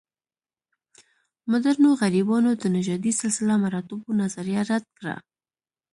مډرنو غربیانو د نژادي سلسله مراتبو نظریه رد کړه.